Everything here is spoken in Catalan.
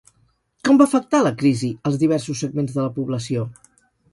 Com va afectar la crisi als diversos segments de la població?